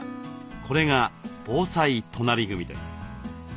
これが防災隣組です。